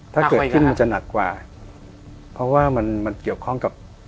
ถ้าเกิดขึ้นมันจะหนักกว่าเพราะว่ามันมันเกี่ยวข้องกับ